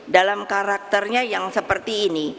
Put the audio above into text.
dalam karakternya yang seperti ini